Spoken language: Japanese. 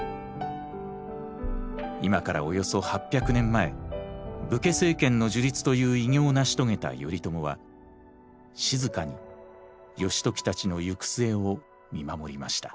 前武家政権の樹立という偉業を成し遂げた頼朝は静かに義時たちの行く末を見守りました。